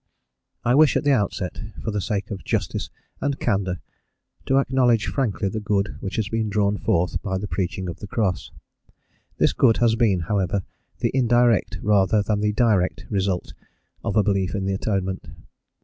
I wish at the outset, for the sake of justice and candour, to acknowledge frankly the good which has been drawn forth by the preaching of the Cross. This good has been, however, the indirect rather than the direct result of a belief in the Atonement.